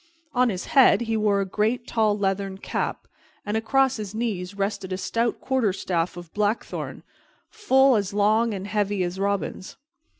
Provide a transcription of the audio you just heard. On his head he wore a great tall leathern cap, and across his knees rested a stout quarterstaff of blackthorn, full as long and heavy as Robin's.